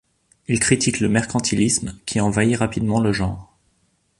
Il critique le mercantilisme qui envahit rapidement le genre.